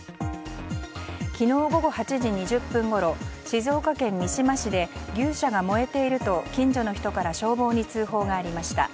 昨日午後８時２０分ごろ静岡県三島市で牛舎が燃えていると近所の人から消防に通報がありました。